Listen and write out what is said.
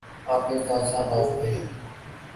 آپ کے استاد صاحب آ چکے ہیں